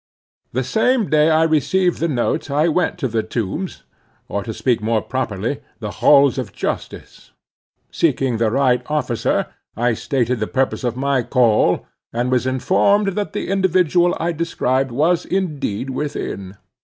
The same day I received the note I went to the Tombs, or to speak more properly, the Halls of Justice. Seeking the right officer, I stated the purpose of my call, and was informed that the individual I described was indeed within.